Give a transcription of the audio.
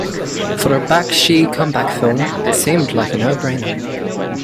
For a Bakshi comeback film, it seemed like a no-brainer.